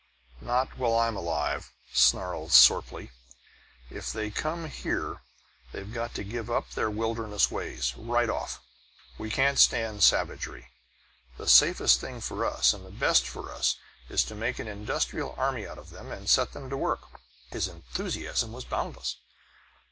"Not while I'm alive!" snarled Sorplee. "If they come here, they've got to give up their wilderness ways, right off! We can't stand savagery! The safest thing for us, and the best for them, is to make an industrial army of 'em and set 'em to work!" His enthusiasm was boundless.